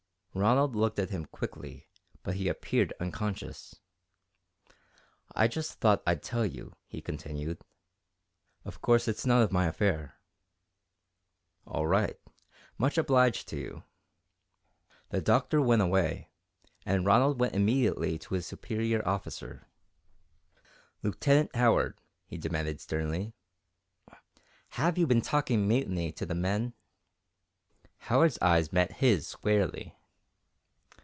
Ronald looked at him quickly but he appeared unconscious. "I just thought I'd tell you," he continued. "Of course, it's none of my affair." "All right much obliged to you." The Doctor went away and Ronald went immediately to his superior officer. "Lieutenant Howard," he demanded sternly, "have you been talking mutiny to the men?" Howard's eyes met his squarely.